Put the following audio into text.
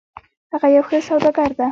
هغه یو ښه سوداګر ده